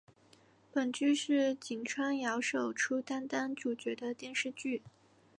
本剧是井川遥首出担当主角的电视剧。